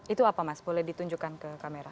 itu apa mas boleh ditunjukkan ke kamera